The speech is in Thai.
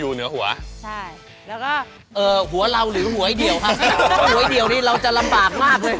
อ่าฮะนี่ครับ